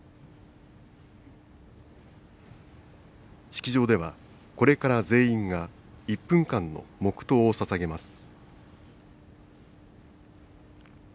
式場では、これから全員が１分間の黙とうをささげます。